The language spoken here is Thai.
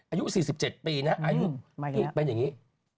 อายุ๔๗ปีนะอายุที่เป็นอย่างนี้